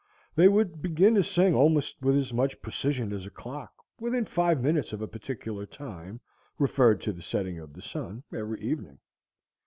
They would begin to sing almost with as much precision as a clock, within five minutes of a particular time, referred to the setting of the sun, every evening.